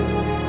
kamu mau ngerti